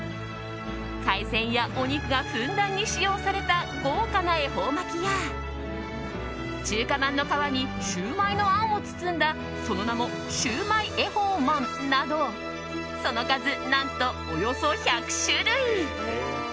海鮮やお肉がふんだんに使用された豪華な恵方巻きや中華まんの皮にシューマイのあんを包んだその名もシウマイ恵方まんなどその数、何とおよそ１００種類。